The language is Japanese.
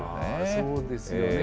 そうですよね。